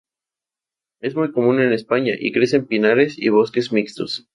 Es muy común en España y crece en pinares y bosques mixtos.